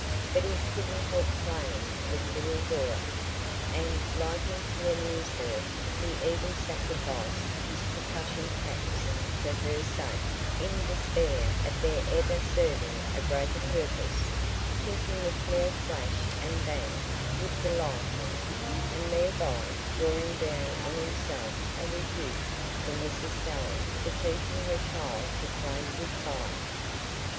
But he couldn't help playing with little Laura, and liking to amuse her; he even sacrificed his percussion caps for her sake, in despair of their ever serving a greater purpose,—thinking the small flash and bang would delight her, and thereby drawing down on himself a rebuke from Mrs Stelling for teaching her child to play with fire.